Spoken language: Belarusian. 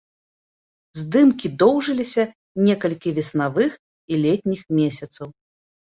Здымкі доўжыліся некалькі веснавых і летніх месяцаў.